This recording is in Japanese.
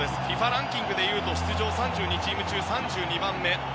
ＦＩＦＡランキングですと出場３２チーム中３２番目。